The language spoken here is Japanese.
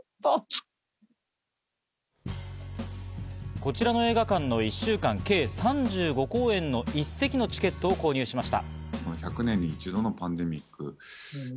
こちらの映画館の１週間、計３５公演の１席のチケットを購入しました。